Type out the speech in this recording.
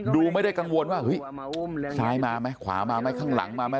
ดูไม่ได้กังวลว่าเฮ้ยซ้ายมาไหมขวามาไหมข้างหลังมาไหม